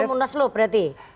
kau belum undas lo berarti